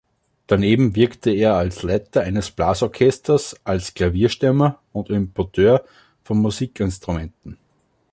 Daneben wirkte er als Leiter eines Blasorchesters, als Klavierstimmer und Importeur von Musikinstrumenten.